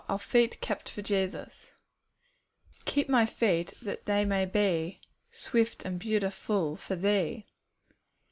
Our Feet kept for Jesus. 'Keep my feet, that they may be _Swift and beautiful for Thee.'